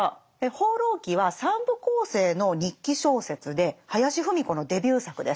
「放浪記」は三部構成の日記小説で林芙美子のデビュー作です。